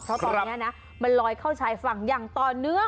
เพราะตอนนี้นะมันลอยเข้าชายฝั่งอย่างต่อเนื่อง